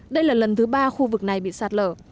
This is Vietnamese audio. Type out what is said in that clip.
đây là lần thứ ba khu vực này bị sạt lở